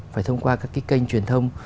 phải thông qua các kênh truyền thông